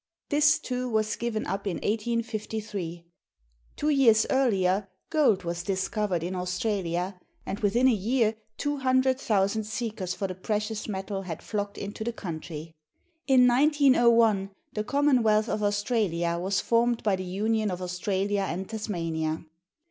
This, too, was given up in 1853. Two years earlier, gold was discovered in Australia, and within a year 200,000 seekers for the precious metal had flocked into the country. In 1901 the "Commonwealth of Australia" was formed by the union of Austraha and Tasmania.